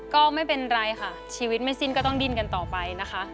ก็ไม่เป็นไรค่ะชีวิตไม่สิ้นก็ต้องดิ้นกันต่อไปนะคะ